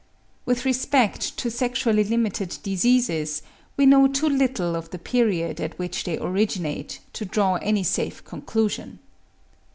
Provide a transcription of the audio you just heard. With respect to sexually limited diseases, we know too little of the period at which they originate, to draw any safe conclusion.